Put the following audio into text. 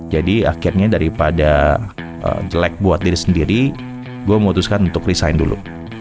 jadi akhirnya daripada jelek buat diri sendiri gue memutuskan untuk resign dulu